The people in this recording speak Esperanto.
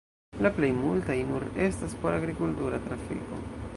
La plej multaj nur estas por agrikultura trafiko.